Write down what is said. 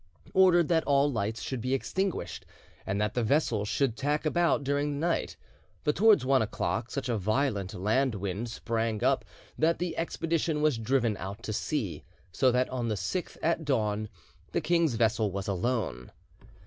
] ordered that all lights should be extinguished and that the vessels should tack about during the night; but towards one o'clock such a violent land wind sprang up that the expedition was driven out to sea, so that on the 6th at dawn the king's vessel was alone.